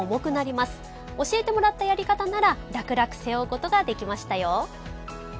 教えてもらったやり方なら楽々背負うことができましたよ。